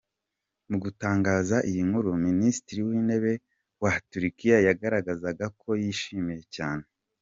Mu gutangaza iyi nkuru, Minisitiri w’Intebe wa Turikiya yagaragazaga ko yishimye cyane.